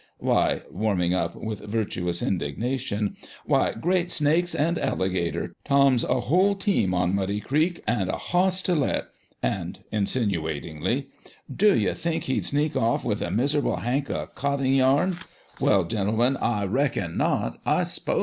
Why" (warming up with virtuous in dignation) " why, great snakes and alligators ! Tom's a whole team on Muddy Creek and a hoss to let ! And" (insinuatingly) " do you think he'd sneak off with a miserable hank o' cotting yarn ? Well, gentlemen, I reckon not. Charles Dickens.